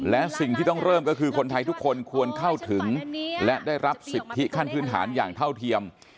และสิ่งที่ต้องเริ่มก็คือคนไทยทุกคนควรเข้าถึงและได้รับสิทธิขั้นพื้นฐานอย่างเท่าเทียม